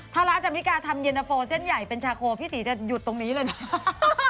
ถ้าร้านอาจารย์บริการ์ทำเย็นเตอร์โฟเส้นใหญ่เป็นชาโคพี่ศรีจะหยุดตรงนี้เลยหรือ